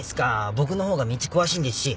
僕のほうが道詳しいんですし。